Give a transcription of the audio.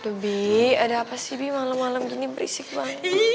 aduh bi ada apa sih malem malem gini berisik banget